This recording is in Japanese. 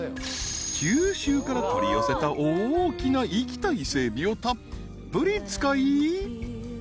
［九州から取り寄せた大きな生きた伊勢エビをたっぷり使い］